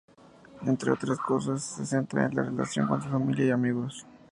Entre otras cosas, se centra en la relación con su familia y amigos.